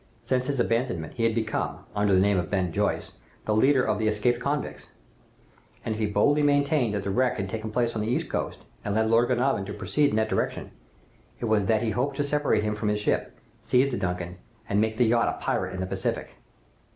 Since his abandonment, he had become, under the name of Ben Joyce, the leader of the escaped convicts; and if he boldly maintained that the wreck had taken place on the east coast, and led Lord Glenarvan to proceed in that direction, it was that he hoped to separate him from his ship, seize the 'Duncan,' and make the yacht a pirate in the Pacific."